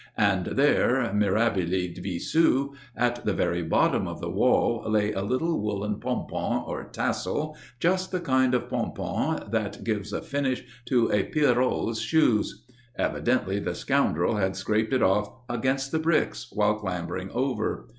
And there, mirabile visu! at the very bottom of the wall lay a little woollen pompon or tassel, just the kind of pompon that gives a finish to a pierrot's shoes. Evidently the scoundrel had scraped it off against the bricks while clambering over.